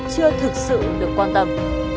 chưa thực sự được quan tâm